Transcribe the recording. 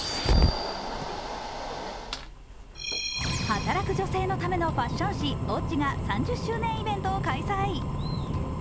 働く女性のためのファッション誌「Ｏｇｇｉ」が３０周年イベントを開催。